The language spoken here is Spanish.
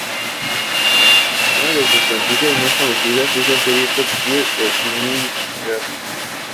Una de sus franquicias más conocidas es la serie Top Gear de Gremlin Graphics.